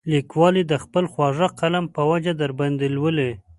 لیکوال یې د خپل خواږه قلم په وجه درباندې لولي.